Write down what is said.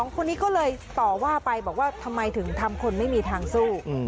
คนนี้ก็เลยต่อว่าไปบอกว่าทำไมถึงทำคนไม่มีทางสู้